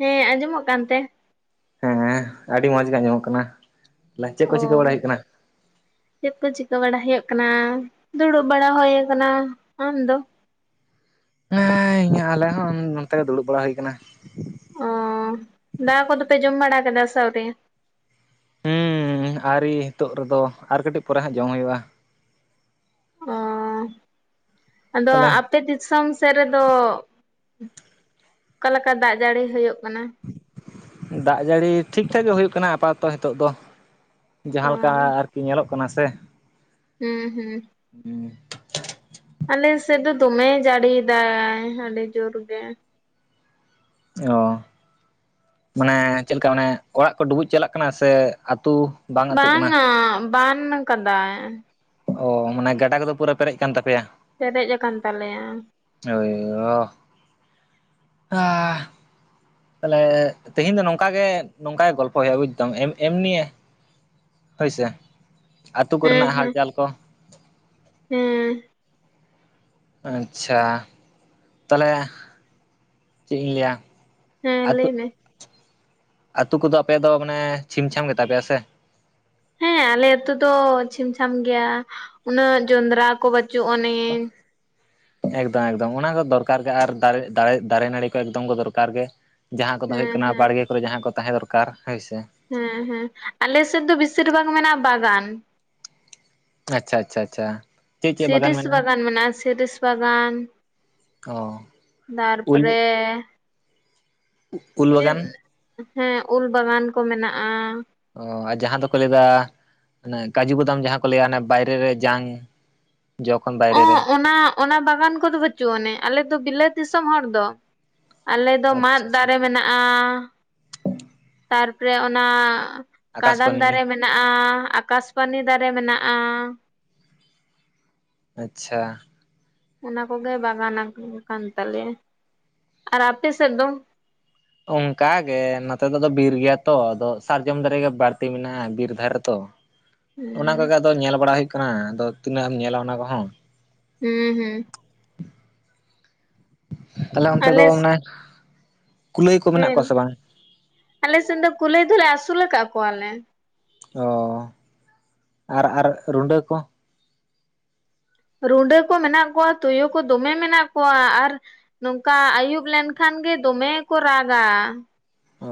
ᱦᱮᱸ ᱟᱸᱡᱚᱢᱚᱜ ᱠᱟᱱᱛᱮ ᱦᱮᱸ ᱟᱹᱰᱤ ᱢᱚᱸᱡᱽ ᱜᱮ ᱟᱸᱡᱚᱢᱚᱜ ᱠᱟᱱᱟ ᱞᱟ ᱪᱮᱫ ᱚ ᱠᱚ ᱪᱤᱠᱟᱹ ᱵᱟᱲᱟ ᱦᱩᱭᱩᱜ ᱠᱟᱱᱟ? ᱪᱮᱫ ᱠᱚ ᱪᱤᱠᱟᱹ ᱵᱟᱲᱟ ᱦᱩᱭᱩᱜ ᱠᱟᱱᱟ ᱫᱩᱲᱩᱵ ᱵᱟᱲᱟ ᱦᱳᱭ ᱟᱠᱟᱱᱟ᱾ ᱟᱢ ᱫᱚ? ᱦᱮᱸ ᱤᱧᱟᱹᱜ ᱟᱞᱮ ᱦᱚᱸ ᱱᱚᱱᱛᱮ ᱫᱩᱲᱩᱵ ᱵᱟᱲᱟ ᱦᱩᱭ ᱟᱠᱟᱱᱟ᱾ ᱳᱸ ᱫᱟᱠᱟ ᱠᱚᱫᱚᱯᱮ ᱡᱚᱢ ᱵᱟᱲᱟ ᱠᱟᱫᱟ ᱟᱹᱣᱨᱤ ᱦᱩᱸ ᱟᱨᱤ ᱱᱤᱛᱚᱜ ᱨᱮᱫᱚ ᱟᱨ ᱠᱟᱹᱴᱤᱡ ᱯᱚᱨᱮ ᱦᱟᱸᱜ ᱡᱚᱢ ᱦᱩᱭᱩᱜᱼᱟ᱾ ᱚ ᱟᱫᱚ ᱛᱟᱦᱚᱞᱮ ᱟᱯ ᱟᱯᱮ ᱫᱤᱥᱚᱢ ᱥᱮᱫ ᱨᱮᱫᱚ ᱚᱠᱟᱞᱣᱠᱟ ᱫᱟᱜ ᱡᱟᱹᱲᱤ ᱦᱳᱭᱳᱜ ᱠᱟᱱᱟ? ᱫᱟᱜ ᱡᱟᱹᱲᱤ ᱴᱷᱤᱠᱼᱴᱷᱟᱠ ᱜᱮ ᱦᱩᱭᱩᱜ ᱠᱟᱱᱟ ᱟᱯᱟ ᱛᱚᱛᱚ ᱦᱤᱛᱳᱜ ᱫᱚ ᱚ ᱡᱟᱦᱟᱸ ᱞᱮᱠᱟ ᱟᱨᱠᱤ ᱧᱮᱞᱚᱜ ᱠᱟᱱᱟ ᱥᱮ ᱦᱩᱸ ᱦᱩᱸ ᱦᱩᱸ ᱟᱞᱮ ᱥᱮᱫ ᱫᱚ ᱫᱚᱢᱮ ᱡᱟᱹᱲᱤᱭᱫᱟᱭ ᱟᱹᱰᱤ ᱡᱳᱨ ᱜᱮ᱾ ᱳ ᱢᱟᱱᱮ ᱪᱮᱫᱮᱠᱟ ᱢᱟᱱᱮ ᱚᱲᱟᱜ ᱠᱚ ᱰᱩᱵᱩᱡ ᱪᱟᱞᱟᱜ ᱠᱟᱱᱟ ᱥᱮ ᱟᱹᱛᱩ ᱵᱟᱝ ᱟᱹᱛᱩᱜ ᱠᱟᱱᱟ? ᱵᱟᱝᱼᱟ ᱵᱟᱱ ᱠᱟᱫᱟᱭ᱾ ᱳ ᱢᱟᱱᱮ ᱜᱟᱰᱟ ᱠᱚᱫᱚ ᱯᱩᱨᱟᱹ ᱯᱮᱨᱮᱡ ᱠᱟᱱ ᱛᱟᱯᱮᱭᱟ ᱯᱮᱨᱮᱡ ᱟᱠᱟᱱ ᱛᱟᱞᱮᱭᱟ᱾ ᱦᱳᱭ ᱳ ᱟᱻ ᱛᱟᱦᱞᱮ ᱛᱮᱦᱤᱧ ᱫᱚ ᱱᱳᱝᱠᱟ ᱜᱮ ᱱᱚᱝᱠᱟ ᱜᱮ ᱜᱚᱞᱯᱷᱚ ᱦᱩᱭᱩᱜᱼᱟ ᱵᱩᱡᱽᱫᱟᱢ ᱮᱢ ᱮᱢᱱᱤ ᱦᱟᱹᱭᱥᱮ ᱟᱹᱛᱩ ᱦᱮᱸ ᱠᱚᱨᱮᱱᱟᱜ ᱦᱮᱸ ᱦᱟᱞᱪᱟᱞ ᱠᱚ ᱦᱮᱸ ᱟᱪᱷᱟ ᱛᱟᱦᱞᱮ ᱪᱮᱫ ᱤᱧ ᱞᱟᱹᱭᱟ? ᱦᱮᱸ ᱞᱟᱹᱭ ᱟᱹᱛᱩᱜ ᱢᱮ ᱟᱹᱛᱩ ᱠᱚᱫᱚ ᱟᱯᱮ ᱫᱚ ᱢᱟᱱᱮ ᱪᱷᱤᱢ ᱪᱷᱟᱢ ᱜᱮ ᱛᱟᱯᱮᱭᱟ ᱥᱮ? ᱦᱮᱸ ᱟᱞᱮ ᱟᱹᱛᱩ ᱫᱚ ᱪᱷᱤᱢ ᱪᱷᱟᱢ ᱜᱮᱭᱟ ᱩᱱᱟᱹᱜ ᱡᱚᱸᱰᱨᱟ ᱠᱚ ᱵᱟᱹᱪᱩᱜ ᱟᱹᱱᱤᱡ ᱮᱠᱫᱚᱢ ᱮᱠᱫᱚᱢ ᱚᱱᱟ ᱠᱚ ᱫᱚᱨᱠᱟᱨ ᱜᱮ ᱟᱨ ᱫᱟᱨᱮ ᱫᱟᱲᱮ ᱫᱟᱨᱮ ᱱᱟᱹᱲᱤ ᱠᱚ ᱮᱠᱫᱚᱢ ᱠᱚ ᱫᱚᱨᱠᱟᱨ ᱜᱮ ᱡᱟᱦᱟᱸ ᱠᱚᱫᱚ ᱦᱩᱭᱩᱜ ᱦᱮᱸ ᱠᱟᱱᱟ ᱦᱮᱸ ᱵᱟᱲᱜᱮ ᱠᱚᱨᱮ ᱡᱟᱦᱟᱸ ᱠᱚ ᱛᱟᱦᱮᱸ ᱫᱚᱨᱠᱟᱨ ᱦᱟᱹᱭ ᱥᱮ ᱦᱮᱸ ᱦᱮᱸ ᱟᱞᱮᱥᱮᱫ ᱫᱚ ᱵᱤᱥᱤᱨ ᱵᱷᱟᱜᱽ ᱢᱮᱱᱟᱜᱼᱟ ᱵᱟᱜᱟᱱ᱾ ᱟᱪᱷᱟ ᱟᱪᱷᱟ ᱟᱪᱷᱟ ᱥᱤᱨᱤᱥ ᱵᱟᱜᱟᱱ ᱢᱮᱱᱟᱜᱼᱟ ᱥᱤᱨᱤᱥ ᱵᱟᱜᱟᱱ ᱳ ᱫᱟᱨᱯᱚᱨᱮ ᱩᱞ ᱪᱮᱫ ᱵᱟᱜᱟᱱ ᱦᱮᱸ ᱩᱞ ᱵᱟᱜᱟᱱ ᱠᱚ ᱢᱮᱱᱟᱜᱼᱟ᱾ ᱳ ᱡᱟᱦᱟ ᱫᱚᱠᱚ ᱞᱟᱹᱭᱫᱟ ᱚᱱᱮ ᱠᱟᱹᱡᱩ ᱵᱟᱫᱟᱢ ᱡᱟᱦᱟᱸ ᱠᱚ ᱞᱟᱹᱭᱟ ᱟᱱᱮ ᱵᱟᱭᱨᱮ ᱨᱮ ᱡᱟᱝ ᱡᱚ ᱠᱷᱚᱱ ᱵᱟᱭᱨᱮ ᱨᱮ ᱳᱸ ᱚᱱᱟ ᱚᱱᱟ ᱵᱟᱜᱟᱱ ᱠᱚᱫᱚ ᱵᱟᱹᱪᱩᱜ ᱟᱹᱱᱮ ᱟᱞᱮ ᱫᱚ ᱵᱤᱞᱟᱹᱛ ᱫᱤᱥᱚᱢ ᱦᱚᱲ ᱫᱚ ᱟᱞᱮ ᱫᱚ ᱢᱟᱫ ᱟᱪᱪᱷᱟ ᱟᱪᱪᱷᱟ ᱫᱟᱨᱮ ᱢᱮᱱᱟᱜᱼᱟ ᱛᱟᱨᱯᱚᱨᱮ ᱚᱱᱟ ᱠᱟᱫᱟᱢ ᱟᱠᱟᱥᱯᱟᱱᱤ ᱫᱟᱨᱮ ᱢᱮᱱᱟᱜᱼᱟ ᱟᱠᱟᱥᱯᱟᱱᱤ ᱫᱟᱨᱮ ᱢᱮᱱᱟᱜᱼᱟ᱾ ᱟᱪᱪᱷᱟ ᱚᱱᱟ ᱠᱚᱜᱮ ᱵᱟᱜᱟᱱ ᱠᱟᱱ ᱛᱟᱞᱮᱭᱟ᱾ ᱟᱨ ᱟᱯᱮ ᱥᱮᱫ ᱫᱚ? ᱚᱱᱠᱟ ᱜᱮ ᱱᱚᱛᱮ ᱫᱚ ᱵᱤᱨ ᱜᱮᱭᱟ ᱛᱚ ᱟᱫᱚ ᱥᱟᱨᱡᱚᱢ ᱫᱟᱨᱮ ᱜᱮ ᱵᱟᱲᱛᱤ ᱢᱮᱱᱟᱜᱼᱟ ᱵᱤᱨ ᱫᱷᱟᱨᱮ ᱛᱚ ᱚᱱᱟ ᱦᱩᱸ ᱠᱚᱜᱮ ᱟᱫᱚ ᱧᱮᱞ ᱵᱟᱲᱟ ᱦᱳᱭᱩᱜ ᱠᱟᱱᱟ ᱟᱫᱚ ᱛᱤᱱᱟᱹᱜ ᱮᱢ ᱧᱮᱞᱟ ᱚᱱᱟ ᱠᱚᱦᱚᱸ ᱦᱩᱸ ᱦᱩᱸ ᱛᱟᱦᱞᱮ ᱚᱱᱛᱮ ᱫᱚ ᱟᱞᱮ ᱢᱟᱱᱮᱭ ᱠᱩᱞᱟᱹᱭ ᱠᱚ ᱢᱮᱱᱟᱜ ᱦᱮᱸ ᱠᱚᱣᱟ ᱥᱮ ᱵᱟᱝ? ᱟᱞᱮ ᱥᱮᱱ ᱫᱚ ᱠᱩᱞᱟᱹᱭ ᱫᱚᱞᱮ ᱟᱥᱩᱞ ᱠᱟᱜ ᱠᱚᱣᱟᱞᱮ ᱚ ᱟᱨ ᱟᱨ ᱨᱩᱰᱟᱹ ᱠᱚ ᱨᱩᱸᱰᱟᱹ ᱠᱚ ᱢᱮᱱᱟᱜ ᱠᱚᱣᱟ ᱛᱩᱭᱩ ᱠᱚ ᱫᱚᱢᱮ ᱢᱮᱱᱟᱜ ᱠᱚᱣᱟ ᱟᱨ ᱱᱚᱝᱠᱟ ᱟᱭᱩᱵ ᱞᱮᱱᱠᱷᱟᱱ ᱜᱮ ᱫᱚᱢᱮ ᱠᱚ ᱨᱟᱜᱟ ᱚ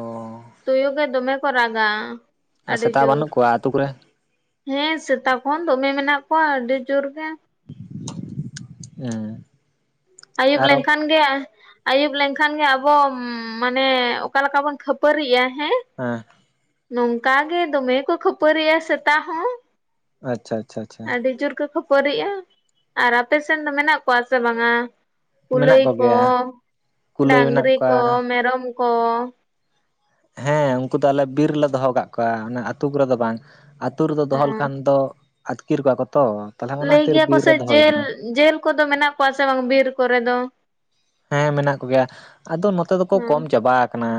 ᱛᱳᱭᱳ ᱜᱮ ᱫᱚᱢᱮ ᱠᱚ ᱨᱟᱜᱟ ᱟᱨ ᱟᱹᱰᱤ ᱥᱮᱛᱟ ᱡᱳᱨ ᱵᱟᱱᱩᱜ ᱠᱚᱣᱟ ᱟᱛᱩ ᱠᱚᱨᱮ? ᱦᱮᱸ ᱥᱮᱛᱟ ᱠᱚᱦᱚᱸ ᱫᱚᱢᱮ ᱢᱮᱱᱟᱜ ᱠᱚᱣᱟ ᱟᱹᱰᱤ ᱡᱳᱨ ᱜᱮ᱾ ᱦᱮᱸ ᱟᱹᱭᱩᱵ ᱟᱨᱚ ᱞᱮᱱᱠᱷᱟᱱᱼᱼ ᱜᱮ ᱟᱹᱭᱩᱵ ᱞᱮᱱᱠᱷᱟᱱ ᱜᱮ ᱟᱵᱚ ᱢᱟᱱᱮ ᱚᱠᱟ ᱞᱮᱠᱟ ᱵᱚᱱ ᱠᱷᱟᱹᱯᱟᱹᱨᱤᱜᱼᱟ ᱦᱮᱸᱼᱼ ᱦᱮᱸ ᱱᱚᱝᱠᱟ ᱜᱮ ᱫᱚᱢᱮ ᱠᱚ ᱠᱷᱟᱹᱯᱟᱹᱨᱤᱼᱟ ᱥᱮᱛᱟ ᱦᱚᱸ᱾ ᱟᱪᱪᱷᱟ ᱟᱪᱪᱷᱟ ᱟᱪᱪᱷᱟ ᱟᱹᱰᱤ ᱡᱩᱨ ᱠᱚ ᱠᱷᱟᱹᱯᱟᱹᱨᱤᱜᱼᱟ᱾ ᱟᱨ ᱟᱯᱮ ᱥᱮᱱ ᱫᱚ ᱢᱮᱱᱟᱜ ᱠᱚᱣᱟ ᱥᱮ ᱵᱟᱝᱟ? ᱢᱮᱱᱟᱜ ᱠᱩᱞᱟᱹᱭ ᱠᱚ, ᱠᱚᱜᱮᱭᱟ ᱠᱩᱞᱟᱹᱭ ᱢᱮᱱᱟᱜ ᱰᱟᱝᱨᱤ ᱠᱚ, ᱠᱚᱣᱟ ᱢᱮᱨᱚᱢ ᱠᱚ? ᱦᱮᱸ ᱩᱱᱠᱩ ᱫᱚ ᱟᱞᱮ ᱵᱤᱨ ᱨᱮᱞᱮ ᱫᱚᱦᱚ ᱠᱟᱜ ᱠᱚᱣᱟ, ᱚᱱᱟ ᱟᱹᱛᱩ ᱠᱚᱨᱮ ᱫᱚ ᱵᱟᱝᱼᱼ ᱟᱹᱛᱩ ᱨᱮᱫᱚ ᱫᱚᱦᱚ ᱦᱚᱸ ᱞᱮᱠᱷᱟᱱ ᱫᱚ ᱟᱹᱛᱠᱤᱨ ᱠᱚᱣᱟ ᱠᱚ ᱛᱚ᱾ ᱛᱟᱦᱞᱮ ᱚᱱᱟ ᱞᱟᱹᱭ ᱠᱷᱟᱹᱛᱤᱨ ᱜᱮᱭᱟ ᱵᱤᱨ ᱨᱮ ᱠᱚᱥᱮ ᱫᱚᱦᱚ ᱦᱩᱭ ᱡᱮᱞ ᱠᱟᱱᱟ ᱡᱮᱞ ᱠᱚᱫᱚ ᱢᱮᱱᱟᱜ ᱠᱚᱣᱟ ᱥᱮ ᱵᱟᱝ ᱵᱤᱨ ᱠᱚᱨᱮ ᱫᱚ? ᱦᱮᱸ ᱢᱮᱱᱟᱜ ᱠᱚᱜᱮᱭᱟ ᱟᱫᱚ ᱱᱚᱛᱮ ᱫᱚᱠᱚ ᱦᱚᱸ ᱠᱚᱢ ᱪᱟᱵᱟ ᱟᱠᱟᱱᱟ᱾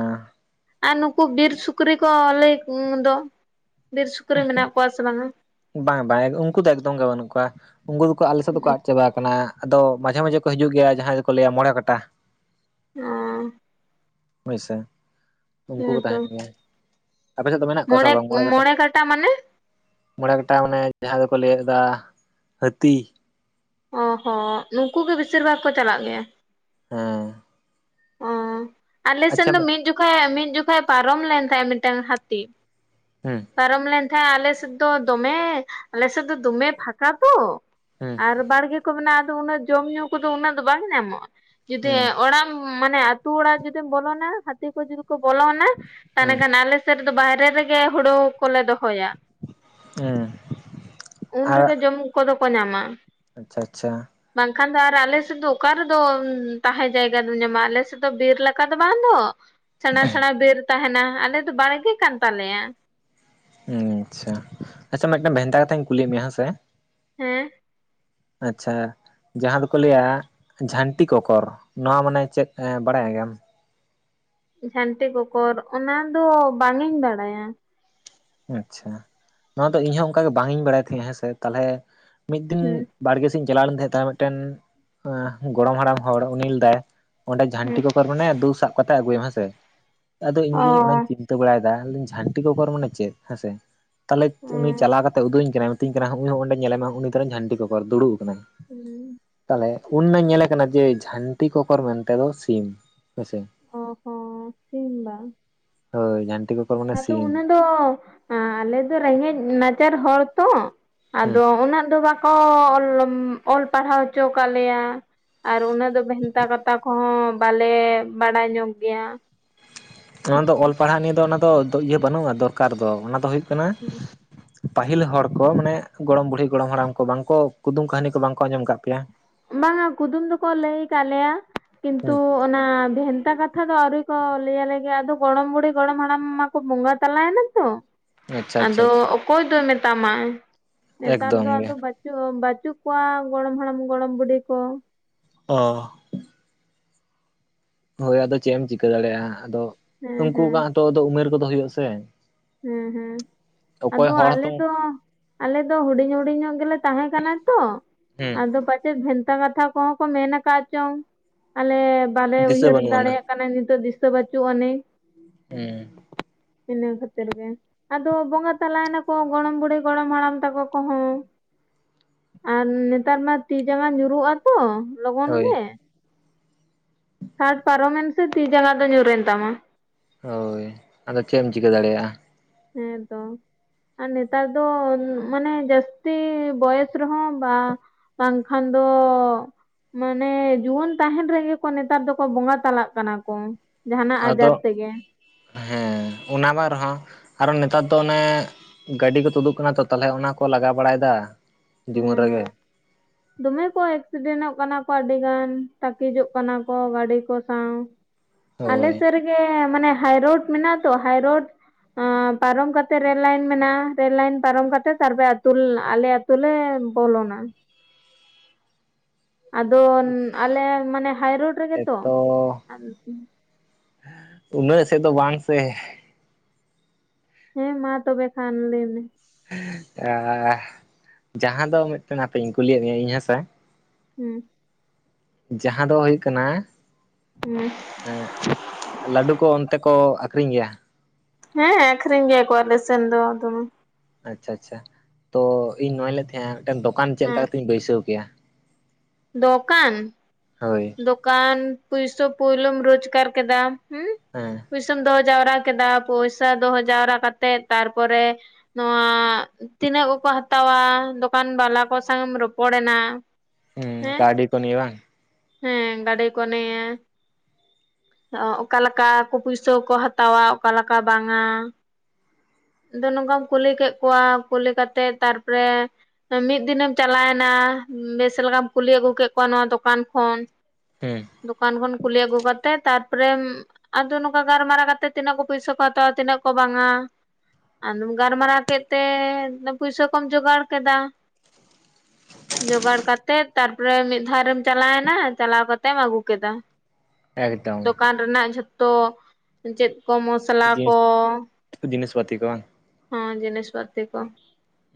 ᱟᱨ ᱱᱩᱠᱩ ᱵᱤᱨ ᱥᱩᱠᱨᱤ ᱠᱚ ᱞᱟᱹᱭ ᱠᱩ ᱫᱚ ᱵᱤᱨ ᱥᱩᱠᱨᱤ ᱢᱮᱱᱟᱜ ᱠᱚᱣᱟ ᱥᱮ ᱵᱟᱝᱟ? ᱵᱟᱝ ᱵᱟᱝ ᱩᱱᱠᱩ ᱫᱚ ᱮᱠᱫᱚᱢ ᱜᱮ ᱵᱟᱱᱩᱜ ᱠᱚᱣᱟ ᱩᱱᱠᱩ ᱫᱚᱠᱚ ᱟᱞᱮ ᱥᱮᱫ ᱫᱚᱠᱚ ᱟᱫ ᱪᱟᱵᱟ ᱠᱟᱱᱟ᱾ ᱟᱫᱚ ᱢᱟᱡᱷᱮ ᱢᱟᱡᱷᱮ ᱠᱚ ᱦᱤᱡᱩᱜ ᱜᱮᱭᱟ ᱡᱟᱦᱟᱸᱭ ᱫᱚᱠᱚ ᱞᱟᱹᱭ-ᱟ ᱢᱚᱬᱮ ᱠᱚᱴᱟ᱾ ᱚᱸ ᱦᱳᱭᱥᱮ ᱩᱱᱠᱩ ᱠᱚ ᱦᱮᱸᱛᱚ ᱛᱟᱦᱮᱱ ᱜᱮᱭᱟ᱾ ᱟᱯᱮ ᱥᱮᱫ ᱫᱚ ᱢᱮᱱᱟᱜ ᱠᱚᱣᱟ ᱥᱮ ᱵᱟᱝ ᱢᱚᱲᱮ ᱠᱟᱴᱟ? ᱛᱟ ᱢᱟᱱᱮ? ᱢᱚᱬᱮ ᱠᱟᱴᱟ ᱢᱟᱱᱮ ᱡᱟᱦᱟᱸ ᱫᱚᱠᱚ ᱞᱟᱹᱭᱠᱟᱫᱟ ᱦᱟᱹᱛᱤ᱾ ᱚ ᱦᱚᱸ ᱱᱩᱠᱩ ᱜᱮ ᱵᱤᱥᱤᱨ ᱵᱷᱟᱜᱽ ᱠᱚ ᱪᱟᱞᱟᱜ ᱜᱮᱭᱟ᱾ ᱦᱮᱸ ᱚᱸᱻ ᱟᱞᱮᱥᱱ ᱟᱪᱪᱷᱟ ᱫᱚ ᱢᱤᱫ ᱡᱚᱠᱷᱟᱡ ᱢᱤᱫ ᱡᱚᱠᱷᱟᱡ ᱯᱟᱨᱚᱢ ᱞᱮᱱ ᱛᱟᱦᱮᱸ-ᱟ ᱢᱤᱫᱴᱟᱝ ᱦᱟᱹᱛᱤ᱾ ᱦᱩᱸ ᱯᱟᱨᱚᱢ ᱞᱮᱱ ᱛᱟᱦᱮᱸ ᱟᱞᱮ ᱥᱮᱫ ᱫᱚ ᱫᱚᱢᱮ ᱟᱞᱮ ᱥᱮᱫ ᱫᱚ ᱫᱚᱢᱮ ᱯᱷᱟᱠᱟ ᱛᱚ ᱦᱩᱸ ᱟᱨ ᱵᱟᱲᱜᱮ ᱠᱚ ᱢᱮᱱᱟᱜᱼᱟ ᱟᱫᱚ ᱩᱱᱟᱹᱜ ᱡᱚᱢᱼᱧᱩ ᱠᱚᱫᱚ ᱩᱱᱟᱹᱜ ᱫᱚ ᱵᱟᱝ ᱧᱟᱢᱚᱜᱼᱟ ᱡᱩᱫᱤ ᱦᱩᱸ ᱚᱲᱟᱜᱼᱼ ᱢᱟᱱᱮ ᱟᱹᱛᱩ ᱚᱲᱟᱜ ᱡᱩᱫᱤᱢ ᱵᱚᱞᱚᱱᱟ ᱦᱟᱹᱛᱤ ᱠᱚ ᱡᱩᱫᱤ ᱠᱚ ᱵᱚᱞᱚᱱᱟ ᱛᱟᱦᱚᱞᱮ ᱦᱩᱸ ᱠᱷᱟᱱ ᱟᱞᱮᱼᱼ ᱥᱮᱱ ᱨᱮᱫᱚ ᱵᱟᱦᱨᱮ ᱨᱮᱜᱮ ᱦᱳᱲᱳ ᱠᱚᱞᱮ ᱫᱚᱦᱚᱭᱟ᱾ ᱦᱩᱸ ᱩᱱ ᱨᱮᱜᱮ ᱡᱚᱢ ᱠᱚᱫᱚ ᱠᱚ ᱧᱟᱢᱟ᱾ ᱟᱪᱷᱟ ᱵᱟᱝᱠᱷᱟᱱ ᱫᱚ ᱟᱨ ᱟᱞᱮ ᱥᱮᱫ ᱫᱚ ᱚᱠᱟ ᱨᱮᱫᱚ ᱛᱟᱦᱮᱸ ᱡᱟᱭᱜᱟᱼᱼ ᱧᱟᱢᱟ ᱟᱞᱮ ᱥᱮᱫ ᱫᱚ ᱵᱤᱨ ᱞᱮᱠᱟ ᱫᱚ ᱵᱟᱝ ᱫᱚ ᱥᱮᱬᱟ ᱥᱮᱬᱟ ᱵᱤᱨ ᱛᱟᱦᱮᱱᱟ ᱟᱞᱮ ᱫᱚ ᱵᱟᱲᱜᱮ ᱠᱟᱱ ᱛᱟᱞᱮᱭᱟ᱾ ᱟᱪᱷᱟ-ᱟᱪᱷᱟ ᱢᱤᱫᱴᱮᱱ ᱵᱷᱮᱱᱛᱟ ᱠᱟᱛᱷᱟᱧ ᱠᱩᱞᱤ ᱢᱮᱭᱟ ᱦᱮᱸ ᱥᱮ? ᱦᱮᱸ ᱟᱪᱷᱟ ᱡᱟᱦᱟᱸ ᱫᱚᱠᱚ ᱞᱟᱹᱭᱟ ᱡᱷᱟᱹᱱᱴᱤ ᱠᱚᱠᱚᱨ ᱱᱚᱣᱟ ᱢᱟᱱᱮ ᱪᱮᱫ ᱵᱟᱲᱟᱭ ᱜᱮᱭᱟᱢ? ᱡᱷᱟᱹᱱᱴᱤ ᱠᱚᱠᱚᱨ ᱚᱱᱟ ᱫᱚ ᱵᱟᱝ ᱤᱧ ᱵᱟᱲᱟᱭ-ᱟ᱾ ᱟᱪᱷᱟ ᱱᱚᱣᱟ ᱫᱚ ᱤᱧᱦᱚᱸ ᱚᱱᱠᱟᱟᱜᱮ ᱵᱟᱝ ᱤᱧ ᱵᱟᱲᱟᱭ ᱛᱟᱦᱮᱸᱜᱼᱟ᱾ ᱦᱮᱸᱥᱮ ᱛᱟᱦᱚᱞᱮ ᱢᱤᱫ ᱫᱤᱱᱼᱼ ᱦᱩᱸ ᱵᱟᱲᱜᱮ ᱥᱮᱫ ᱤᱧ ᱪᱟᱞᱟᱣ ᱞᱮᱱ ᱛᱟᱦᱮᱸ ᱢᱤᱫᱴᱮᱱ ᱚᱸᱻ ᱜᱚᱲᱚᱢ ᱦᱟᱲᱟᱢ ᱦᱚᱲ ᱩᱱᱤ ᱞᱮᱭᱮᱫᱟᱭ ᱚᱸᱰᱮ ᱡᱷᱟᱹᱱᱴᱤ ᱦᱩᱸ ᱠᱚᱠᱚᱨ ᱢᱮᱱᱟᱭᱟ ᱫᱩ ᱥᱟᱵ ᱠᱟᱛᱮ ᱟᱹᱜᱩᱭᱮᱢ ᱦᱮᱸᱥᱮ ᱟᱫᱚ ᱤᱧ ᱚ ᱜᱤ ᱚᱱᱟᱧ ᱪᱤᱱᱛᱟᱹ ᱵᱟᱲᱟᱭᱮᱫᱟ ᱡᱷᱟᱹᱱᱴᱤ ᱠᱚᱠᱚᱨ ᱢᱟᱱᱮ ᱪᱮᱫ ᱦᱮᱸᱥᱮ ᱛᱟᱦᱚᱞᱮ ᱩᱱᱤ ᱪᱟᱞᱟᱣ ᱠᱟᱛᱮ ᱩᱫᱩᱟᱹᱧ ᱠᱟᱹᱱᱟᱹᱧ ᱢᱤᱛᱟᱹᱧ ᱠᱟᱱᱟ ᱱᱩᱦᱩᱭ ᱱᱚᱜᱼᱚᱭ ᱚᱸᱰᱮ ᱧᱮᱞᱮᱢᱮ ᱩᱱᱤ ᱛᱚᱞᱮᱧ ᱡᱷᱟᱱᱴᱤ ᱠᱚᱠᱚᱨ ᱫᱩᱲᱩᱵ ᱛᱟᱦᱚᱞᱮ ᱩᱱ ᱢᱟᱧ ᱧᱮᱞᱮ ᱠᱟᱱᱟ ᱡᱮ ᱡᱷᱟᱹᱱᱴᱤ ᱠᱚᱠᱚᱨ ᱢᱮᱱᱛᱮ ᱫᱚ ᱥᱤᱢ ᱦᱮᱸᱥᱮ ᱚ ᱦᱚᱸ ᱥᱤᱢ ᱵᱟᱝ ᱦᱳᱭ ᱡᱷᱟᱱᱴᱤ ᱠᱚᱠᱚᱨ ᱢᱟᱱᱮ ᱟᱫᱚ ᱥᱤᱢ ᱚᱱᱟ ᱫᱚ ᱟᱞᱮ ᱫᱚ ᱨᱮᱸᱜᱮᱡ ᱱᱟᱪᱟᱨ ᱦᱚᱲ ᱛᱚ ᱦᱮᱸ ᱟᱫᱚ ᱩᱱᱟᱹᱜ ᱫᱚ ᱵᱟᱠᱚ ᱚᱞ ᱯᱟᱲᱦᱟᱣ ᱦᱚᱪᱚ ᱟᱠᱟᱫ ᱞᱮᱭᱟ᱾ ᱟᱨ ᱩᱱᱟᱹᱜ ᱫᱚ ᱵᱷᱮᱱᱛᱟ ᱠᱟᱛᱷᱟ ᱠᱚᱦᱚᱸ ᱵᱟᱞᱮ ᱵᱟᱲᱟᱭ ᱧᱚᱜ ᱜᱮᱭᱟ ᱾ ᱚᱱᱟ ᱫᱚ ᱚᱞ ᱯᱟᱲᱦᱟᱜ ᱱᱤᱭᱮ ᱫᱚ ᱚᱱᱟ ᱫᱚ ᱤᱭᱟᱹ ᱵᱟᱹᱱᱩᱜᱼᱟ ᱫᱚᱨᱠᱟᱨ ᱫᱚ ᱚᱱᱟ ᱫᱚ ᱦᱩᱭᱩᱜ ᱠᱟᱱᱟ ᱯᱟᱹᱦᱤᱞ ᱦᱚᱲ ᱠᱚ ᱢᱟᱱᱮ ᱜᱚᱲᱚᱢ ᱵᱩᱲᱦᱤ ᱜᱚᱲᱚᱢ ᱦᱟᱲᱟᱢ ᱠᱚ ᱵᱟᱝᱠᱚ ᱠᱩᱫᱩᱢ ᱠᱟᱹᱦᱱᱤ ᱠᱚ ᱵᱟᱝᱠᱚ ᱟᱸᱡᱚᱢ ᱠᱟᱜ ᱯᱮᱭᱟ? ᱵᱟᱝᱟ ᱠᱩᱫᱩᱢ ᱫᱚᱠᱚ ᱞᱟᱹᱭ ᱟᱠᱟᱫ ᱞᱮᱭᱟ ᱠᱤᱱᱛᱩ ᱦᱩᱸ ᱚᱱᱟ ᱵᱷᱮᱱᱛᱟ ᱠᱟᱛᱷᱟ ᱫᱚ ᱟᱹᱣᱨᱤ ᱠᱚ ᱞᱟᱹᱭᱟᱞᱮ ᱜᱮ ᱟᱫᱚ ᱜᱚᱲᱚᱢ ᱵᱩᱲᱦᱤ, ᱜᱚᱲᱚᱢ ᱦᱟᱲᱟᱢ ᱢᱟ ᱠᱚ ᱵᱚᱸᱜᱟ ᱛᱟᱞᱟᱭᱮᱱᱟ ᱾ ᱦᱮ ᱟᱫᱚ ᱚᱠᱚᱭ ᱫᱚᱭ ᱢᱮᱛᱟᱢᱟ? ᱱᱮᱛᱟᱨ ᱮᱠᱫᱚᱢ ᱫᱚ ᱜᱮ ᱟᱫᱚ ᱵᱟ ᱵᱟᱪᱩᱜ ᱠᱚᱣᱟ ᱜᱚᱲᱚᱢ ᱦᱟᱲᱟᱢ ᱜᱚᱲᱚᱢ ᱵᱩᱰᱷᱤ ᱠᱚ ᱾ ᱚ ᱾ ᱦᱳᱭ ᱟᱫᱚ ᱪᱮᱫ ᱮᱢ ᱪᱤᱠᱟᱹ ᱫᱟᱲᱮᱜᱼᱟ ᱟᱫᱚ ᱦᱮᱸ ᱩᱱᱠᱩ ᱦᱮᱸ ᱠᱚᱣᱟᱜ ᱦᱚᱸᱛᱚ ᱟᱫᱚ ᱩᱢᱮᱨ ᱠᱚᱫᱚ ᱦᱩᱭᱩᱜ ᱟᱥᱮ ᱾ ᱦᱮᱸ ᱦᱩᱸ ᱾ ᱟᱫᱚ ᱟᱞᱮ ᱫᱚ ᱟᱞᱮ ᱫᱚ ᱦᱩᱰᱤᱧ ᱦᱩᱰᱤᱧ ᱧᱚᱜ ᱜᱮᱞᱮ ᱛᱟᱦᱮᱸ ᱠᱟᱱᱟ ᱛᱚ ᱾ ᱦᱩᱸ ᱟᱫᱚ ᱯᱟᱪᱮᱫ ᱵᱷᱮᱱᱛᱟ ᱠᱟᱛᱷᱟ ᱠᱚᱦᱚᱸ ᱠᱚ ᱢᱮᱱ ᱟᱠᱟᱫ ᱪᱚᱝ ᱟᱞᱮ ᱵᱟᱞᱮ ᱫᱤᱥᱟᱹ ᱩᱭᱦᱟᱹᱨ ᱵᱟᱹᱱᱩᱜ ᱟᱱᱟ ᱫᱟᱲᱮᱭᱟᱜ ᱠᱟᱱᱟ ᱱᱤᱛᱚᱜ ᱫᱤᱥᱟᱹ ᱵᱟᱹᱪᱩᱜ ᱟᱹᱱᱤᱡ ᱾ ᱦᱩᱸ ᱾ ᱤᱱᱟᱹ ᱠᱷᱟᱹ ᱛᱤᱨ ᱜᱮ ᱟᱫᱚ ᱵᱚᱸᱜᱟ ᱛᱟᱞᱟᱭᱮᱱᱟ ᱠᱚ ᱜᱚᱲᱚᱢ ᱵᱩᱲᱦᱤ ᱜᱚᱲᱚᱢ ᱦᱟᱲᱟᱢ ᱛᱟᱠᱚ ᱠᱚᱦᱚᱸ᱾ ᱟᱨ ᱱᱮᱛᱟᱨ ᱢᱟ ᱛᱤ ᱡᱟᱸᱜᱟ ᱧᱩᱸᱨᱩᱜᱼᱟ ᱛᱚ ᱞᱚᱜᱚᱱ ᱦᱳᱭ ᱜᱮ ᱾ ᱥᱟᱴ ᱯᱟᱨᱚᱢᱮᱱ ᱥᱮ ᱛᱤ ᱡᱟᱱᱜᱟ ᱫᱚ ᱧᱩᱨ ᱮᱱ ᱛᱟᱢᱟ ᱾ ᱦᱳᱭ, ᱟᱫᱚ ᱪᱮᱫ ᱮᱢ ᱪᱤᱠᱟᱹ ᱫᱟᱲᱮᱭᱟᱜᱼᱟ? ᱦᱮᱸ ᱛᱚ ᱾ ᱟᱨ ᱱᱮᱛᱟᱨ ᱫᱚ ᱢᱟᱱᱮ ᱡᱟᱹᱥᱛᱤ ᱵᱚᱭᱮᱥ ᱨᱮᱦᱚᱸ ᱵᱟ ᱵᱟᱝᱠᱷᱟᱱ ᱫᱚ ᱢᱟᱱᱮ ᱡᱩᱣᱟᱹᱱ ᱛᱟᱦᱮᱱ ᱨᱮᱜᱮ ᱠᱚ ᱱᱮᱛᱟᱨ ᱫᱚᱠᱚ ᱵᱚᱸᱜᱟ ᱛᱟᱞᱟᱜ ᱠᱟᱱᱟ ᱠᱚ ᱾ ᱡᱟᱦᱟᱱᱟᱜ ᱟᱫᱚ ᱟᱡᱟᱨ ᱛᱮᱜᱮ ᱾ ᱦᱮᱸ ᱚᱱᱟ ᱢᱟ ᱨᱮᱦᱚᱸ ᱟᱨᱚ ᱱᱮᱛᱟᱨ ᱫᱚ ᱚᱱᱮ ᱜᱟᱹᱰᱤ ᱠᱚ ᱛᱩᱫᱩᱜ ᱠᱟᱱᱟ ᱛᱚ ᱛᱟᱦᱚᱞᱮ ᱚᱱᱟᱠᱚ ᱞᱟᱜᱟ ᱵᱟᱲᱟᱭᱮᱫᱟ ᱦᱩᱸ ᱡᱤᱵᱚᱱ ᱦᱩᱸ ᱨᱮᱜᱮ ᱾ ᱫᱚᱢᱮ ᱠᱚ ᱮᱠᱥᱤᱰᱮᱱᱚᱜ ᱠᱟᱱᱟ ᱠᱚ ᱟᱹᱰᱤ ᱜᱟᱱ ᱛᱟᱠᱤᱡᱚᱜ ᱠᱟᱱᱟ ᱠᱚ ᱜᱟᱹᱰᱤ ᱠᱚ ᱥᱟᱶ ᱾ ᱟᱞᱮ ᱦᱳᱭ ᱥᱮᱫ ᱨᱮᱜᱮ ᱢᱟᱱᱮ ᱦᱟᱭᱨᱳᱰ ᱢᱮᱱᱟᱜ ᱛᱚ ᱦᱟᱭᱨᱳᱰ ᱟᱸ ᱯᱟᱨᱚᱢ ᱠᱟᱛᱮᱜ ᱨᱮᱞ ᱞᱟᱭᱤᱱ ᱢᱮᱱᱟᱜᱼᱟ ᱨᱮᱞ ᱞᱟᱭᱤᱱ ᱯᱟᱨᱚᱢ ᱠᱟᱛᱮᱜ ᱛᱟᱨᱯᱚᱨᱮ ᱟᱛᱩ ᱟᱞᱮ ᱟᱛᱩ ᱞᱮ ᱵᱚᱞᱚᱱᱟ ᱾ ᱟᱫᱚ ᱟᱞᱮ ᱢᱟᱱᱮ ᱦᱟᱭᱨᱳᱰ ᱨᱮᱜᱮ ᱛᱚ ᱾ ᱮᱛᱚ ᱩᱱᱟᱹᱜ ᱥᱮᱫ ᱫᱚ ᱵᱟᱝ ᱥᱮ ᱾ ᱦᱮᱸ ᱢᱟ ᱛᱚᱵᱮ ᱠᱷᱟᱱ ᱞᱟᱹᱭ ᱢᱮ ᱾ ᱟᱸ ᱡᱟᱦᱟᱸ ᱫᱚ ᱢᱤᱫᱴᱮᱱ ᱦᱟᱯᱮᱧ ᱠᱩᱞᱤᱭᱮᱫ ᱢᱮᱭᱟ ᱤᱧ ᱦᱮᱸᱥᱮ ᱾ ᱦᱩᱸ ᱾ ᱡᱟᱦᱟᱸ ᱫᱚ ᱦᱩᱭᱩᱜ ᱠᱟᱱᱟ [unintelligible] ᱮᱸᱜ ᱞᱟᱹᱰᱩ ᱠᱚ ᱚᱱᱛᱮ ᱠᱚ ᱟᱠᱷᱨᱤᱧ ᱜᱮᱭᱟ? ᱦᱮᱸ ᱟᱠᱠᱷᱨᱤᱧ ᱜᱮᱭᱟ ᱠᱚ ᱟᱞᱮ ᱥᱮᱱ ᱫᱚ ᱫᱚᱢᱮ ᱾ ᱟᱪᱪᱷᱟ ᱟᱪᱪᱷᱟ, ᱛᱚ ᱤᱧ ᱱᱚᱣᱟᱧ ᱞᱮᱭᱮᱜ ᱛᱟᱦᱮᱜ-ᱟ ᱢᱤᱜ ᱴᱟᱱ ᱫᱚᱠᱟᱱ ᱪᱮᱜ ᱞᱮᱠᱟ ᱦᱮᱸ ᱠᱟᱛᱤᱧ ᱵᱟᱹᱭᱥᱟᱹᱣ ᱠᱮᱭᱟ? ᱫᱚᱠᱟᱱ ᱾ ᱦᱳᱭ ᱾ ᱫᱚᱠᱟᱱ ᱯᱩᱭᱥᱟᱹ ᱯᱳᱭᱞᱚᱢ ᱨᱳᱡᱽᱜᱟᱨ ᱠᱮᱫᱟ ᱦᱩᱸ ᱦᱮᱸ ᱾ ᱯᱩᱭᱥᱟᱹᱢ ᱫᱚᱦᱚ ᱡᱟᱣᱨᱟ ᱠᱮᱫᱟ ᱯᱚᱭᱥᱟ ᱫᱚᱦᱚ ᱡᱟᱣᱨᱟ ᱠᱟᱛᱮᱫ ᱛᱟᱨᱯᱚᱨᱮ ᱱᱚᱣᱟ ᱛᱤᱱᱟᱹᱜ ᱠᱚᱠᱚ ᱦᱟᱛᱟᱣᱟ ᱫᱚᱠᱟᱱ ᱵᱟᱞᱟ ᱠᱚ ᱥᱟᱝ ᱮᱢ ᱨᱚᱯᱚᱲ ᱮᱱᱟ ᱾ ᱦᱩᱸ ᱠᱟᱹᱣᱰᱤ ᱠᱚ ᱱᱤᱭᱮ ᱵᱟᱝ? ᱦᱮᱸ ᱜᱟᱰᱤ ᱠᱚ ᱱᱤᱭᱮ ᱾ ᱚ ᱚᱠᱟ ᱞᱟᱠᱟ ᱠᱚ ᱯᱩᱭᱥᱟᱹ ᱠᱚ ᱦᱟᱛᱟᱣᱟ ᱚᱠᱟ ᱞᱟᱠᱟ ᱵᱟᱝᱟ ᱾ ᱟᱫᱚ ᱱᱚᱝᱠᱟᱢ ᱠᱩᱞᱤ ᱠᱮᱜ ᱠᱚᱣᱟ ᱠᱩᱞᱤ ᱠᱟᱛᱮᱫ ᱛᱟᱨᱯᱚᱨᱮ ᱢᱤᱜ ᱫᱤᱱᱮᱢ ᱪᱟᱞᱟᱣ ᱮᱱᱟ ᱵᱮᱥ ᱞᱮᱠᱟᱢ ᱠᱩᱞᱤ ᱟᱹᱜᱩ ᱠᱮᱜ ᱠᱚᱣᱟ ᱱᱚᱣᱟ ᱫᱚᱠᱟᱱ ᱠᱷᱚᱱ, ᱦᱩᱸ ᱫᱚᱠᱟᱱ ᱠᱷᱚᱱ ᱠᱩᱞᱤ ᱟᱹᱜᱩ ᱠᱟᱛᱮ ᱛᱮ ᱛᱟᱨᱯᱚᱨᱮᱢ ᱟᱫᱚ ᱱᱚᱝᱠᱟ ᱜᱟᱞᱢᱟᱨᱟᱣ ᱠᱟᱛᱮ ᱛᱤᱱᱟᱹᱜ ᱠᱚ ᱯᱟᱹᱭᱥᱟᱹ ᱠᱚ ᱦᱟᱛᱟᱣᱟ ᱛᱤᱱᱟᱹᱜ ᱠᱚ ᱵᱟᱝᱼᱟ ᱾ ᱟᱫᱚᱢ ᱜᱟᱞᱢᱟᱨᱟᱣ ᱠᱮᱫ ᱛᱮ ᱯᱩᱭᱥᱟᱹ ᱠᱚᱢ ᱡᱚᱜᱟᱲ ᱠᱮᱫᱟ ᱡᱚᱜᱟᱲ ᱠᱟᱛᱮᱫ ᱛᱟᱨᱯᱚᱨᱮ ᱢᱤᱫ ᱫᱷᱟᱣᱨᱮᱢ ᱪᱟᱞᱟᱣᱮᱱᱟ ᱪᱟᱞᱟᱣ ᱠᱟᱛᱮᱢ ᱟᱹᱜᱩ ᱠᱮᱫᱟ ᱾ ᱮᱠᱫᱚᱢ ᱫᱚᱠᱟᱱ [inaudible] ᱨᱮᱱᱟᱜ ᱡᱷᱚᱛᱚ ᱪᱮᱫ ᱠᱚ ᱢᱚᱥᱞᱟ ᱡᱤᱱᱤᱥ ᱠᱚ ᱡᱤᱱᱤᱥ ᱯᱟᱛᱤ ᱠᱚ ᱵᱟᱝ ᱦᱚᱸ ᱡᱤᱱᱤᱥ ᱯᱟᱛᱤ ᱠᱚ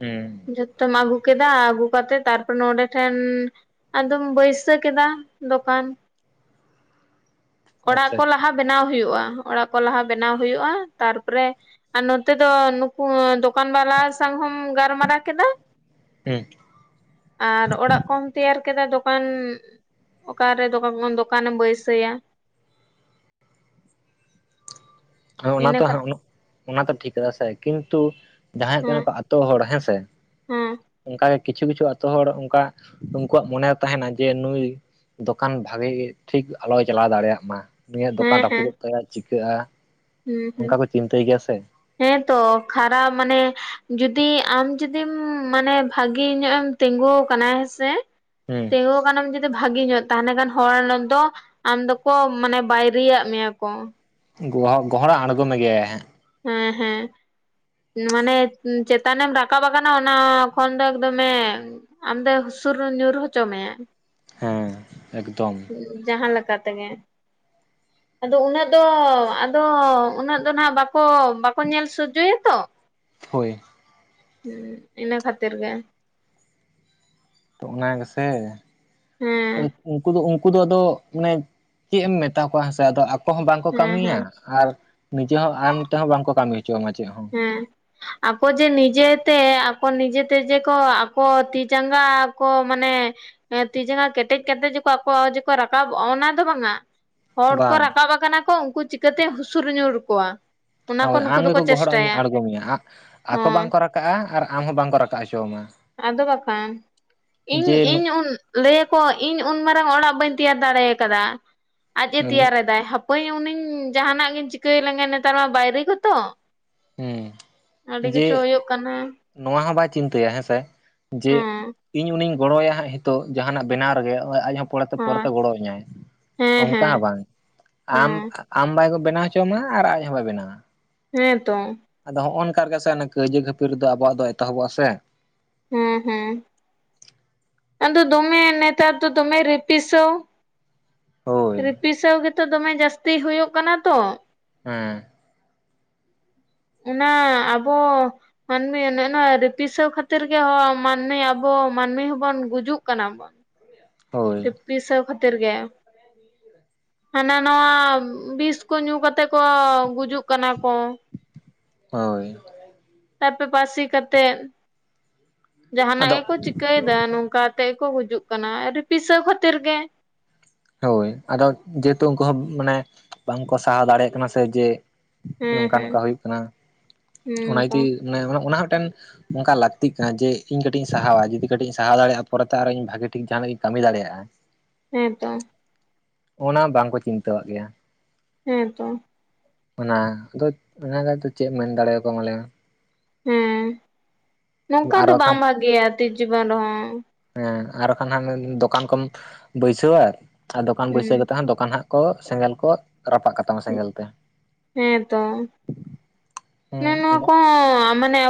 ᱦᱩᱸ ᱡᱷᱚᱛᱚᱢ ᱟᱹᱜᱩ ᱠᱮᱫᱟ ᱟᱹᱜᱩ ᱠᱟᱛᱮᱫ ᱛᱟᱨᱯᱚᱨᱮ ᱱᱚᱰᱮ ᱴᱷᱮᱱ ᱟᱫᱚᱢ ᱵᱟᱹᱭᱥᱟᱹ ᱠᱮᱫᱟ ᱫᱚᱠᱟᱱ [inaudible] ᱚᱲᱟᱜ ᱠᱚ ᱟᱪᱪᱷᱟ ᱞᱟᱦᱟ ᱵᱮᱱᱟᱣ ᱦᱩᱭᱩᱜᱼᱟ ᱚᱲᱟᱜ ᱠᱚ ᱞᱟᱦᱟ ᱵᱮᱱᱟᱣ ᱦᱩᱭᱩᱜᱼᱟ ᱛᱟᱨᱯᱚᱨᱮ ᱟᱨ ᱱᱚᱛᱮ ᱫᱚ ᱱᱩᱠᱩ ᱫᱚᱠᱟᱱ ᱵᱟᱞᱟ ᱥᱟᱝ ᱦᱚᱢ ᱜᱟᱞᱢᱟᱨᱟᱣ ᱠᱮᱫᱟ ᱦᱩᱸ ᱟᱨ ᱚᱲᱟᱜ ᱠᱚᱢ ᱛᱮᱭᱟᱨ ᱠᱮᱫᱟ ᱫᱚᱠᱟᱱ ᱚᱠᱟᱨᱮ ᱫᱟᱠᱟᱠᱚᱱ [unintelligible] ᱫᱚᱠᱟᱱᱮᱢ ᱵᱟᱹᱭᱥᱟᱹᱭᱟ ᱦᱮ ᱚᱱᱟ ᱤᱱᱟᱹ ᱛᱚ ᱦᱮ ᱠᱷᱟᱹᱛ ᱩᱱᱟᱹᱜ, ᱚᱱᱟᱛᱚ ᱴᱷᱤᱠ ᱠᱟᱫᱟ ᱥᱮ ᱠᱤᱱᱛᱩᱼᱼ ᱡᱟᱦᱟᱸᱭ ᱦᱮᱸ ᱠᱟᱱᱟ ᱠᱚ ᱟᱛᱳ ᱦᱚᱲ ᱦᱮᱸ ᱥᱮ ᱦᱮᱸ ᱚᱝᱠᱟ ᱜᱮ ᱠᱤᱪᱷᱩ ᱠᱤᱪᱷᱩ ᱟᱛᱳ ᱦᱚᱲ ᱚᱝᱠᱟ ᱩᱝᱠᱩᱣᱟᱜ ᱢᱚᱱᱮ ᱨᱮ ᱛᱟᱦᱮᱸᱱᱟ ᱡᱮ ᱱᱩᱭ ᱫᱚᱠᱟᱱ ᱵᱷᱟᱜᱮ ᱜᱮ ᱴᱷᱤᱠ ᱟᱞᱚᱭ ᱪᱟᱞᱟᱣ ᱫᱟᱲᱮᱭᱟᱜ ᱢᱟ ᱱᱩᱭᱟᱜ ᱦᱮᱸ ᱫᱚᱠᱟᱱ ᱦᱮᱸ ᱨᱟᱹᱯᱩᱫᱚᱜ ᱛᱟᱭᱟ ᱪᱤᱠᱟᱹᱼᱟ ᱦᱩᱸ ᱦᱩᱸ ᱦᱮᱸ ᱛᱚ ᱠᱷᱟᱨᱟᱯ ᱢᱟᱱᱮ ᱡᱩᱫᱤ ᱟᱢ ᱡᱩᱫᱤᱢ ᱢᱟᱱᱮ ᱵᱷᱟᱜᱤ ᱧᱚᱜ ᱮᱢ ᱛᱤᱸᱜᱩ ᱟᱠᱟᱱᱟ ᱦᱮᱸ ᱥᱮ ᱦᱩᱸ ᱛᱤᱸᱜᱩ ᱟᱠᱟᱱᱟᱢ ᱡᱩᱫᱤ ᱵᱷᱟᱜᱤ ᱧᱚᱜ ᱛᱟᱦᱚᱞᱮ ᱠᱷᱟᱱ ᱦᱚᱲ ᱫᱚᱼᱼ ᱟᱢ ᱫᱚᱠᱚ ᱢᱟᱱᱮ ᱵᱟᱭᱨᱤᱭᱟᱼᱟᱜ ᱢᱮᱭᱟ ᱠᱚ᱾ [unintelligible] ᱜᱚᱦᱟᱣ ᱜᱚᱦᱚᱲ ᱟᱬᱜᱳ ᱢᱮᱜᱮᱭᱟᱭ ᱦᱟᱸᱜ ᱦᱮᱸ ᱦᱮᱸ ᱢᱟᱱᱮ ᱪᱮᱛᱟᱱᱮᱢ ᱨᱟᱠᱟᱵ ᱟᱠᱟᱱᱟ ᱚᱱᱟ ᱠᱷᱚᱱ ᱫᱚ ᱮᱠ ᱫᱚᱢᱮ ᱟᱢ ᱫᱚᱭ ᱦᱩᱥᱩᱨ [unintelligible] ᱧᱩᱨ ᱦᱚᱪᱚ ᱢᱮᱭᱟᱭ ᱦᱮᱸ ᱮᱠᱫᱚᱢ ᱡᱟᱦᱟᱸ ᱞᱮᱠᱟ ᱛᱮᱜᱮ ᱟᱫᱚ ᱩᱱᱟᱹᱜ ᱫᱚ ᱟᱫᱚ ᱩᱱᱟᱹᱜ ᱫᱚ ᱱᱟᱦᱟᱜ ᱵᱟᱠᱚ ᱧᱮᱞ ᱥᱚᱡᱡᱚᱭᱟ ᱛᱚ ᱦᱳᱭ ᱤᱱᱟᱹ ᱠᱷᱟᱹᱛᱤᱨ ᱜᱮ᱾ ᱚᱱᱟ ᱜᱮᱥᱮ ᱦᱮᱸ ᱩᱱᱠᱩ ᱫᱚ ᱩᱱᱠᱩ ᱫᱚ ᱟᱫᱚ ᱢᱟᱱᱮ᱾ ᱪᱮᱫ ᱮᱢ ᱢᱮᱛᱟ ᱠᱚᱣᱟ ᱦᱮᱸ ᱥᱮ ᱟᱫᱚ ᱟᱠᱚ ᱦᱚᱸ ᱵᱟᱝ ᱠᱚ ᱦᱮᱸ ᱠᱟᱹᱢᱤᱭᱟ᱾ ᱦᱮᱸ ᱟᱨ ᱱᱤᱡᱮ ᱦᱚᱸ ᱟᱢ ᱛᱮᱦᱚᱸ ᱵᱟᱝ ᱠᱚ ᱠᱟᱹᱢᱤ ᱚᱪᱚ ᱟᱢᱟ ᱪᱮᱫ ᱦᱚᱸ᱾ ᱦᱮᱸ ᱟᱠᱚ ᱡᱮ ᱱᱤᱡᱮ ᱛᱮ ᱟᱠᱚ ᱱᱤᱡᱮ ᱛᱮ ᱡᱮ ᱠᱚ ᱟᱠᱚ ᱛᱤ ᱡᱟᱸᱜᱟ ᱠᱚ ᱢᱟᱱᱮ᱾ ᱦᱮᱸ ᱛᱤ ᱡᱟᱸᱜᱟ ᱠᱮᱴᱮᱡ ᱠᱟᱛᱮ ᱟᱠᱚ ᱡᱮ ᱠᱚ ᱨᱟᱠᱟᱵᱚᱜᱼᱟ ᱚᱱᱟ ᱫᱚ ᱵᱟᱝᱟ᱾ ᱦᱚᱲ ᱠᱚ ᱵᱟᱝ ᱨᱟᱠᱟᱵ ᱟᱠᱟᱱᱟ ᱠᱚ ᱩᱱᱠᱩ ᱪᱤᱠᱟᱹᱛᱮ ᱦᱩᱥᱩᱨ ᱧᱩᱨ ᱠᱚᱣᱟ, ᱚᱱᱟ ᱠᱚ ᱱᱩᱠᱩ ᱫᱚ ᱠᱚ ᱪᱮᱥᱟᱴ᱾ ᱟᱜᱷᱟᱬ ᱢᱮᱭᱟ ᱱᱟᱦ ᱟᱠᱚ ᱵᱟᱝᱠᱚ ᱨᱟᱠᱟᱵᱼᱟ ᱟᱨ ᱟᱢ ᱦᱚᱸ ᱵᱟᱝᱠᱚ ᱨᱟᱠᱟᱵ ᱪᱚᱣ ᱢᱟ᱾ ᱟᱫᱚ ᱵᱟᱠᱷᱟᱱ ᱤᱧ ᱤᱧ ᱩᱱ᱾ ᱞᱟᱹᱭᱟᱠᱚ ᱤᱧ ᱩᱱ ᱢᱟᱨᱟᱝ ᱚᱲᱟᱜ ᱵᱟᱹᱧ ᱛᱮᱭᱟᱨ ᱫᱟᱲᱮ ᱟᱠᱟᱫᱟ ᱟᱡᱮ ᱦᱮᱸ ᱛᱮᱭᱟᱨ ᱮᱫᱟᱭ᱾ ᱳᱭ ᱩᱱᱤ ᱡᱟᱦᱟᱱᱟᱜ ᱜᱤᱧ ᱪᱤᱠᱟᱹᱭ ᱞᱟᱝᱟ ᱱᱮᱛᱟᱨ ᱢᱟ ᱵᱟᱭ ᱨᱮᱹᱭ ᱠᱚ ᱛᱚ ᱾ ᱟᱹᱰᱤ ᱡᱮ ᱠᱤᱪᱷᱩ ᱦᱩᱭᱩᱜ ᱠᱟᱱᱟ᱾ ᱱᱚᱣᱟ ᱦᱚᱸ ᱵᱟᱭ ᱪᱤᱱᱛᱟᱹᱭᱟ, ᱦᱮᱸ ᱥᱮ ᱡᱮ ᱦᱮᱸ ᱤᱧ ᱩᱱᱤᱧ ᱜᱚᱲᱚ ᱟᱭᱟ ᱦᱟᱸᱜ ᱦᱤᱛᱚᱜ ᱡᱟᱦᱟᱱᱟᱜ ᱵᱮᱱᱟᱣ ᱨᱮᱜᱮ ᱟᱡ ᱦᱚᱸ ᱯᱚᱨᱮ ᱛᱮ ᱯᱚᱨᱮ ᱛᱮ ᱦᱮᱸ ᱜᱚᱲᱚᱣ ᱤᱧᱟᱭ ᱦᱮᱸ ᱚᱱᱠᱟ ᱦᱮᱸ ᱦᱚᱸ ᱵᱟᱝ ᱟᱢ᱾ ᱦᱮᱸ ᱟᱢ ᱵᱟᱭ ᱠᱚ ᱵᱮᱱᱟᱣ ᱦᱪᱚᱣᱢᱟ ᱟᱨ ᱟᱡ ᱦᱚᱸ ᱵᱟᱭ ᱵᱮᱱᱟᱣᱟ᱾ ᱦᱮᱸ ᱛᱚ᱾ ᱟᱫᱚ ᱱᱚᱦᱚᱸᱭ ᱱᱚᱝᱠᱟ ᱨᱮᱜᱮ ᱥᱮ ᱚᱱᱟ ᱠᱟᱹᱣᱡᱤ ᱠᱷᱟᱹᱯᱤᱨ ᱫᱚ ᱟᱵᱚᱣᱟᱜ ᱫᱚ ᱮᱛᱚᱦᱚᱵᱚᱜᱼᱟ ᱥᱮ᱾ ᱦᱮᱸ ᱦᱮᱸ᱾ ᱮᱫᱚ ᱫᱚᱢᱮ ᱱᱮᱛᱟᱨ ᱫᱚ ᱫᱚᱢᱮ ᱨᱤᱯᱤᱥᱟᱹᱣ᱾ ᱦᱳᱭ ᱨᱤᱯᱤᱥᱟᱹᱣ ᱜᱮᱛᱚ ᱫᱚᱢᱮ ᱡᱟᱹᱥᱛᱤ ᱦᱩᱭᱩᱜ ᱠᱟᱱᱟ ᱛᱚ᱾ ᱦᱮᱸ ᱚᱱᱟ ᱟᱵᱚ ᱢᱟᱹᱱᱢᱤ ᱚᱱᱮ ᱚᱱᱟ ᱨᱤᱯᱤᱥᱟᱹᱣ ᱠᱷᱟᱹᱛᱤᱨ ᱜᱮ ᱦᱚᱸ ᱢᱟᱹᱱᱢᱤ ᱟᱵᱚ ᱢᱟᱹᱱᱢᱤ ᱦᱚᱵᱚᱱ ᱜᱩᱡᱩᱜ ᱠᱟᱱᱟ᱾ ᱦᱳᱭ ᱨᱤᱯᱤᱥᱟᱹᱣ ᱠᱷᱟᱹᱛᱤᱨ ᱜᱮ᱾ ᱦᱟᱱᱟ ᱱᱟᱶᱟ ᱵᱤᱥ ᱠᱚ ᱧᱩ ᱠᱟᱛᱮ ᱠᱚ ᱜᱩᱡᱩᱜ ᱠᱟᱱᱟ ᱠᱚ᱾ ᱦᱚᱭ ᱛᱟᱨ ᱯᱚᱨᱮ ᱯᱟᱥᱤ ᱠᱟᱛᱮᱜ, ᱡᱟᱦᱟᱱᱟᱜ ᱟᱫᱚ ᱜᱮᱠᱚ ᱪᱤᱠᱟᱹᱭ ᱮᱫᱟ ᱱᱚᱝᱠᱟ ᱟᱛᱮ ᱜᱮ ᱠᱚ ᱜᱩᱡᱩᱜ ᱠᱟᱱᱟ, ᱨᱤᱯᱤᱥᱟᱹᱣ ᱠᱷᱟᱹᱛᱤᱨ ᱜᱮ᱾ ᱦᱳᱭ ᱟᱫᱚ ᱡᱮ ᱦᱮᱛᱩ ᱩᱱᱠᱩ ᱦᱚᱸ ᱢᱟᱱᱮ ᱵᱟᱝᱠᱚ ᱥᱟᱦᱟᱣ ᱫᱟᱲᱮᱭᱟᱜ ᱠᱟᱱᱟ ᱥᱮ ᱡᱮ ᱦᱮᱸ ᱱᱚᱝᱠᱟ ᱦᱮᱸ ᱱᱚᱝᱠᱟ ᱦᱩᱭᱩᱜ ᱠᱟᱱᱟ ᱚᱱᱟ ᱦᱮᱸ ᱛᱚ ᱡᱩᱫᱤ ᱚᱱᱮ, ᱚᱱᱟ ᱦᱚᱸ ᱢᱤᱫᱴᱟᱝ ᱚᱱᱠᱟ ᱞᱟᱹᱠᱛᱤᱜ ᱠᱟᱱᱟ ᱡᱮ ᱤᱧ ᱠᱟᱹᱴᱤᱡ ᱥᱟᱦᱟᱣᱟ, ᱡᱩᱫᱤ ᱠᱟᱹᱴᱤᱡ ᱤᱧ ᱥᱟᱦᱟᱣ ᱫᱟᱲᱮᱭᱟᱜᱼᱟ ᱯᱚᱨᱮᱛᱮ ᱟᱨᱦᱚ ᱤᱧ ᱵᱷᱟᱹᱜᱤ ᱴᱷᱤᱠ ᱡᱟᱦᱟᱱᱟᱜ ᱤᱧ ᱠᱟᱹᱢᱤ ᱫᱟᱲᱮᱭᱟᱜᱼᱟ᱾ ᱦᱮᱸ ᱛᱚ ᱚᱱᱟ ᱵᱟᱝᱠᱚ ᱪᱤᱱᱛᱟᱹᱣᱟᱜ ᱜᱮᱭᱟ᱾ ᱦᱮᱸ ᱛᱚ ᱚᱱᱟ ᱫᱚ, ᱚᱱᱟ ᱫᱚ ᱮᱱᱛᱮ ᱪᱮᱫ ᱮᱢ ᱢᱮᱱ ᱫᱟᱲᱮ ᱟᱠᱚᱣᱟ ᱢᱟ ᱞᱮᱹᱭ ᱢᱮ ᱾ ᱦᱮᱸ ᱢᱮ ᱱᱚᱝᱠᱟ ᱟᱨ ᱫᱚ ᱵᱟᱝ ᱵᱷᱟᱜᱮᱭᱟ ᱛᱤᱥ ᱡᱤᱵᱚᱱ ᱨᱮᱦᱚᱸ᱾ ᱦᱮᱸ ᱟᱨ ᱠᱷᱟᱱ ᱦᱟᱸᱜ ᱫᱚᱠᱟᱱ ᱠᱚᱢ ᱵᱟᱹᱭᱥᱟᱹᱣᱟ ᱟᱨ ᱫᱚᱠᱟᱱ ᱵᱟᱹᱭᱥᱟᱹᱣ ᱦᱮᱸ ᱠᱟᱛᱮ ᱦᱟᱸᱜ ᱫᱚᱠᱟᱱ ᱦᱟᱸᱜ ᱠᱚ ᱥᱮᱸᱜᱮᱞ ᱠᱚ ᱨᱟᱯᱟᱜ ᱠᱟᱛ ᱦᱮᱸ ᱛᱚ, ᱦᱩᱸ ᱢᱟᱱᱮ ᱱᱚᱶᱟ ᱠᱚ ᱦᱚᱸ ᱢᱟᱱᱮ ᱟᱵ